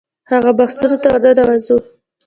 هغو بحثونو ته ورننوځو.